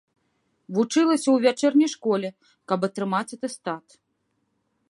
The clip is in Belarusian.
Вучылася ў вячэрняй школе, каб атрымаць атэстат.